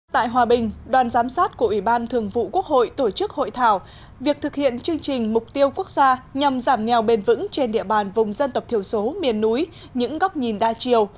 tại hòa bình đoàn giám sát của ủy ban thường vụ quốc hội tổ chức hội thảo việc thực hiện chương trình mục tiêu quốc gia nhằm giảm nghèo bền vững trên địa bàn vùng dân tộc thiểu số miền núi những góc nhìn đa chiều